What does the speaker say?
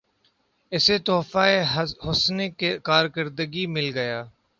اسے تحفہِ حسنِ کارکردگی مل گیا